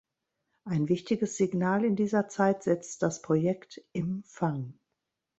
Ein wichtiges Signal in dieser Zeit setzt das Projekt "Im Fang".